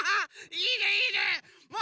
いいねいいね！